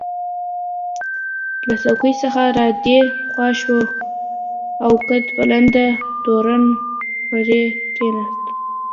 له څوکۍ څخه را دې خوا شو او قد بلنده تورن پرې کېناست.